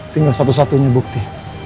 tinggal satu satunya bukti